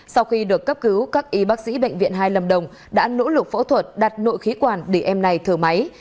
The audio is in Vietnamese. sau khi được cấp cứu các y bác sĩ bệnh viện hai lâm đồng đã nỗ lực phẫu thuật đặt nội khí quản để em này thở máy